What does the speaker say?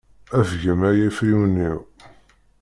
Afgem ay afriwen-iw.